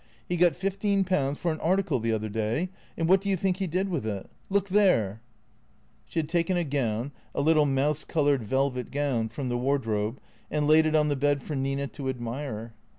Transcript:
" He got fifteen pounds for an article the other day, and what do you think he did with it ? Look there !" She had taken a gown, a little mouse coloured velvet gown, from the wardrobe and laid it on the bed for Nina to admire.